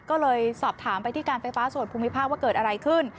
ก็เลยสอบถามไปที่การไฟฟ้าส่วนภูมิภาคว่าเกิดอะไรขึ้น